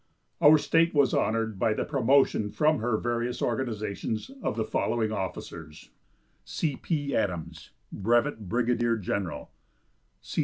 Our state was honored by the promotion from her various organizations of the following officers: C. P. Adams, Brevet Brigadier General.